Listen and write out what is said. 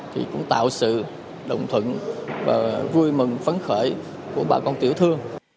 thì cũng tạo sự đồng thuận và vui mừng phấn khởi của bà con tiểu thương